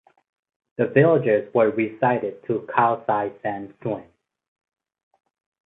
The villagers were resited to Kau Sai San Tsuen.